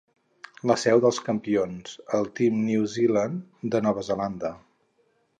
La seu dels campions, el Team New Zealand de Nova Zelanda